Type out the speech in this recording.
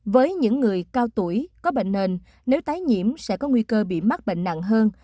với những người cao tuổi có bệnh nền nếu tái nhiễm sẽ có nguy cơ bị mắc bệnh nặng hơn